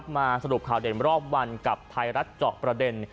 สรุปข่าวเด่นรอบวันกับไทยรัฐเจาะประเด็น